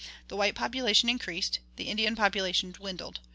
The white population increased, the Indian population dwindled.